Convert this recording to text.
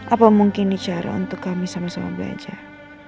apa mungkin cara untuk kami sama sama belajar